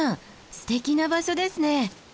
すてきな場所ですね。